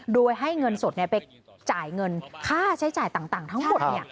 โดยให้เงินสดไปจ่ายเงินค่าใช้จ่ายต่างทั้งหมด